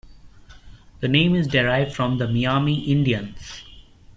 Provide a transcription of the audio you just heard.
The name is derived from the Miami Indians.